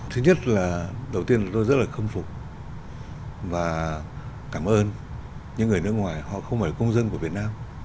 thứ nhất là đầu tiên là tôi rất là khâm phục và cảm ơn những người nước ngoài họ không phải là công dân của việt nam